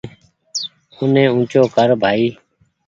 اوني اونچو ڪر ڀآئي